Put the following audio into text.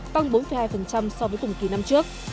tăng bốn hai so với cùng kỳ năm trước